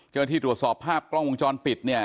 ที่ตรวจสอบภาพกล้องวงจรปิดเนี่ย